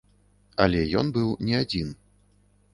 Але ён быў не адзін.